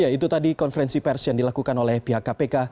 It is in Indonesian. ya itu tadi konferensi pers yang dilakukan oleh pihak kpk